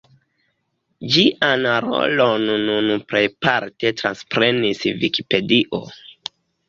Ĝian rolon nun plejparte transprenis Vikipedio.